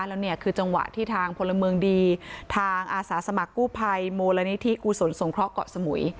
แล้วเนี่ยคือจังหวะที่ทางพลเมืองดีทางอาสาสมัครกู้ภัยมูลนิธิกุศลสงเคราะหเกาะสมุย